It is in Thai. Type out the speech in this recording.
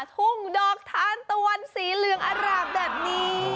ทุ่งดอกทานตะวันสีเหลืองอร่ามแบบนี้